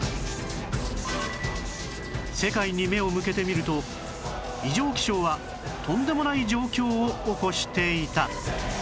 世界に目を向けてみると異常気象はとんでもない状況を起こしていた